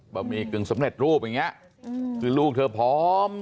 หมี่กึ่งสำเร็จรูปอย่างเงี้ยคือลูกเธอพร้อม